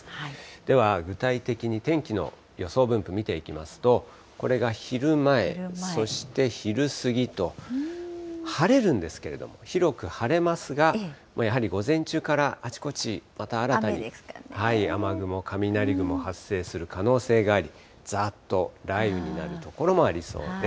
では、具体的に天気の予想分布、見ていきますと、これが昼前、そして昼過ぎと、晴れるんですけれども、広く晴れますが、やはり午前中からあちこち、また新たに雨雲、雷雲、発生する可能性があり、ざっと雷雨になる所もありそうです。